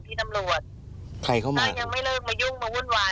ไอ้ที่มันวุ่นวายไอ้ที่มีปัญหาเพราะพวกคุณนี่แหละ